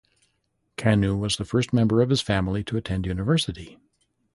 Kanu was the first member of his family to attend university.